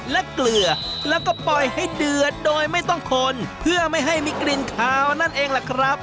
และเกลือแล้วก็ปล่อยให้เดือดโดยไม่ต้องคนเพื่อไม่ให้มีกลิ่นขาวนั่นเองล่ะครับ